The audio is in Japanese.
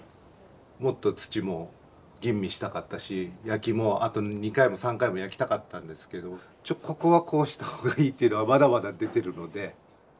もっと土も吟味したかったし焼きもあと２回も３回も焼きたかったんですけどちょっとここはこうした方がいいっていうのはまだまだ出てるので。